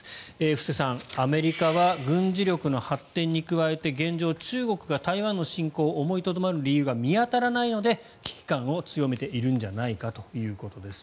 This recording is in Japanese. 布施さん、アメリカは軍事力の発展に加えて現状、中国が台湾の進攻を思いとどまる理由が見当たらないので危機感を強めているんじゃないかということです。